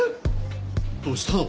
どうしたの？